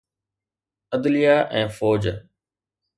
عدليه ۽ فوج.